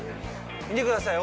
見てください。